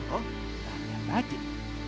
oh dari mata batin